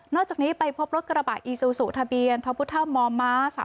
นอกจากนี้ไปพบรถกระบะอีซูสุทะเบียนธพุทธมม๓๓๒๑